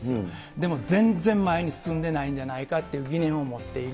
でも全然前に進んでないんじゃないかという疑念を持っている。